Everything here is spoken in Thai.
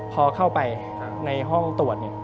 พอเข้าไปในห้องตรวจ